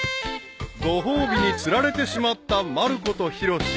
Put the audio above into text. ［ご褒美に釣られてしまったまる子とヒロシ］